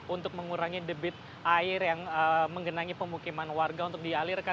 untuk mengurangi debit air yang menggenangi pemukiman warga untuk dialirkan